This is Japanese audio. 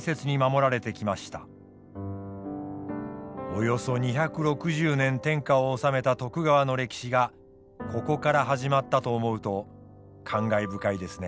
およそ２６０年天下を治めた徳川の歴史がここから始まったと思うと感慨深いですね。